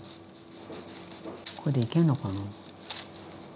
これでいけんのかな。